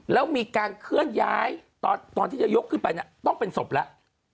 แล้วมีการเคลื่อนย้ายตอนที่จะยกขึ้นไปต้องเป็นศพแล้ว